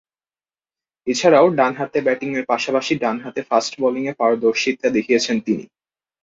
এছাড়াও ডানহাতে ব্যাটিংয়ের পাশাপাশি ডানহাতে ফাস্ট বোলিংয়ে পারদর্শীতা দেখিয়েছেন তিনি।